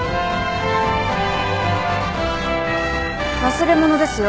忘れ物ですよ